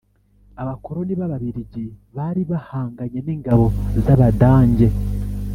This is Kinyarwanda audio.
abakoroni b’Ababiligi bari bahanganye n’ingabo za badange